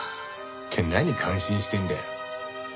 って何感心してんだよ。